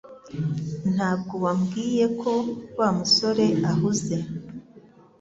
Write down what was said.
Ntabwo wambwiye ko Wa musore ahuze